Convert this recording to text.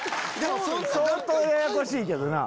相当ややこしいけどな。